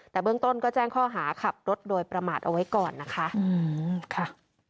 แต่เบื้องต้นก็แจ้งข้อหาขับรถโดยประมาทเอาไว้ก่อนนะคะ